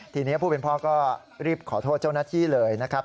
ทีนี้ผู้เป็นพ่อก็รีบขอโทษเจ้าหน้าที่เลยนะครับ